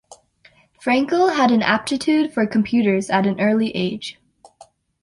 Frankel had an aptitude for computers at an early age.